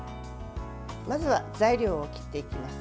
まずは材料を切っていきます。